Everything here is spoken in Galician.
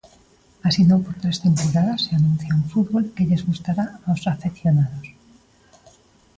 Asinou por tres temporadas e anuncia un fútbol que lles gustará aos afeccionados.